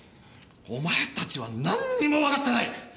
お前達はなんにもわかってない！